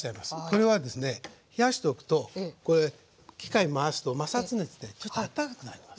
これはですね冷やしておくと機械を回すと摩擦熱でちょっとあったかくなります。